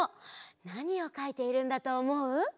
なにをかいているんだとおもう？